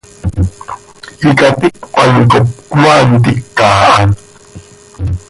Icaticpan cop cmaa ntica ha.